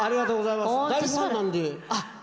大ファンなんで。